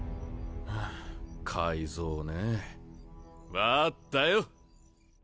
あぁ改造ねぇわぁったよ！